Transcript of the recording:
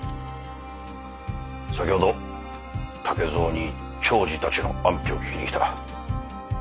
先ほど竹造に長次たちの安否を聞きに来た。